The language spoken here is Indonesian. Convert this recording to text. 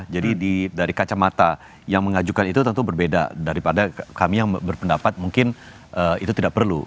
jadi dari kacamata yang mengajukan itu tentu berbeda daripada kami yang berpendapat mungkin itu tidak perlu